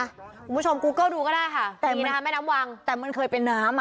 คุณผู้ชมกูเกิ้ลดูก็ได้ค่ะแต่มีนะคะแม่น้ำวังแต่มันเคยเป็นน้ำอ่ะ